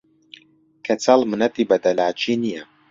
کەچەڵ منەتی بە دەلاکی نییە